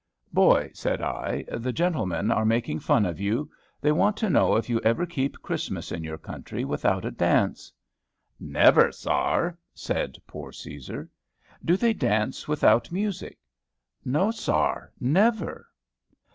"Boy," said I, "the gentlemen are making fun of you. They want to know if you ever keep Christmas in your country without a dance." "Never, sar," said poor Cæsar. "Do they dance without music?" "No, sar; never."